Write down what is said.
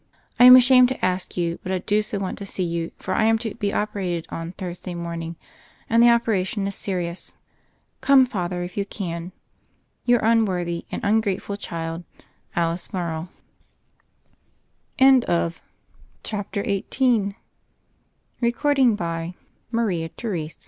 I am ashamed to ask you ; but I do so want to see you ; for I am to be operated on Thursday morning, and the operation is serious. Come, Father, if you can. "Your imworthy and ungrateful child, "Alice Morrow.'' CHAPTER XIX